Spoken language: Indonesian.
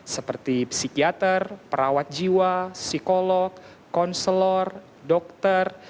seperti psikiater perawat jiwa psikolog konselor dokter